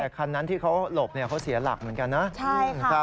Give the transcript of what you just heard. แต่คันนั้นที่เขาหลบเนี้ยเขาเสียหลักเหมือนกันนะใช่ค่ะ